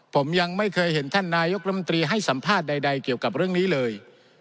ผมยังไม่เคยเห็นท่านนายกรมตรีให้สัมภาษณ์ใดเกี่ยวกับเรื่องนี้เลย